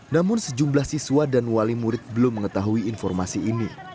namun sejumlah siswa dan wali murid belum mengetahui informasi ini